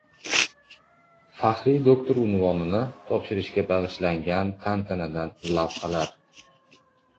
faxriy doktori unvonini topshirishga bag‘ishlangan tantanadan lavhalar